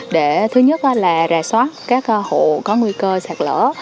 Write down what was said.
để thứ nhất là rà soát các hộ có nguy cơ sạt lỡ